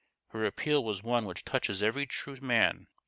Her appeal was one which touches every true man.